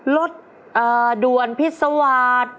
รถด่วนพิษวาส